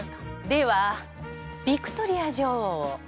ではビクトリア女王を。